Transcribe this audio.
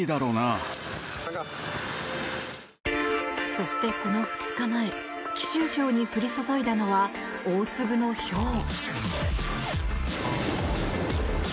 そして、この２日前貴州省に降り注いだのは大粒のひょう。